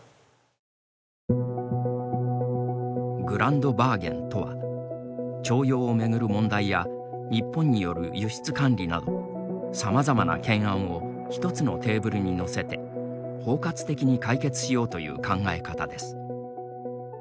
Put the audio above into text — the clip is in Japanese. グランドバーゲンとは徴用を巡る問題や日本による輸出管理などさまざまな懸案をひとつのテーブルに載せて包括的に解決しようという考え方です。